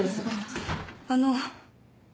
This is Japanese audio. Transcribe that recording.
あの。